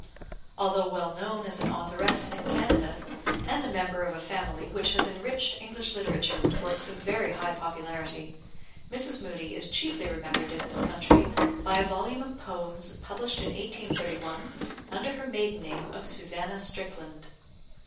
Although well known as an authoress in Canada, and a member of a family which has enriched English literature with works of very high popularity, Mrs. Moodie is chiefly remembered in this country by a volume of Poems published in 1831, under her maiden name of Susanna Strickland.